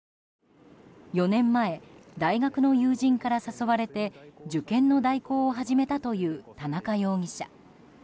４年前、大学の友人から誘われて受験の代行を始めたという田中容疑者。